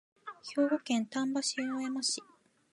兵庫県丹波篠山市